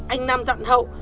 anh nam dặn hậu